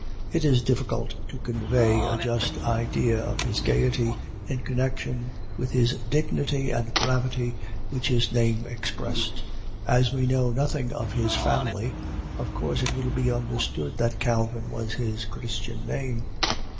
It is difficult to convey a just idea of his gayety in connection with his dignity and gravity, which his name expressed. As we know nothing of his family, of course it will be understood that Calvin was his Christian name.